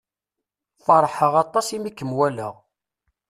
Feṛḥeɣ aṭas i mi kem-walaɣ.